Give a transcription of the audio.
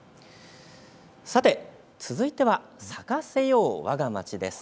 さて続いては咲かせようわがまちです。